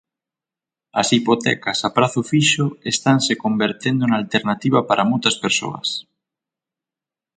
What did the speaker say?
As hipotecas a prazo fixo estanse convertendo na alternativa para moitas persoas.